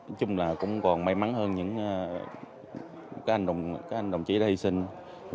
nói chung là cũng còn may mắn hơn những anh các anh đồng chí đã hy sinh